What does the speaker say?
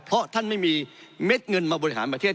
เพราะท่านไม่มีเม็ดเงินมาบริหารประเทศ